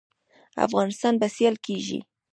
افغانستان به سیال کیږي